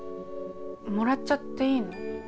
もらっちゃっていいの？